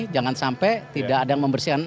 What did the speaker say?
jangan sampai tidak ada yang membersihkan